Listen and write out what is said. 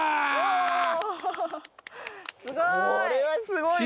すごーい！